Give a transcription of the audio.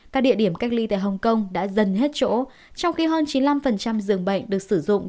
các địa điểm cách ly tại hồng kông đã dần hết chỗ trong khi hơn chín mươi năm giường bệnh được sử dụng